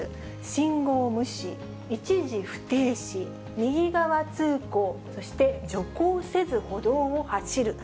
信号無視、一時不停止、右側通行、そして徐行せず歩道を走る。